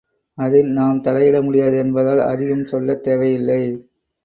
அதில் நாம் தலையிட முடியாது என்பதால் அதிகம் சொல்லத் தேவை இல்லை.